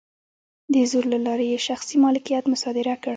د زور له لارې یې شخصي مالکیت مصادره کړ.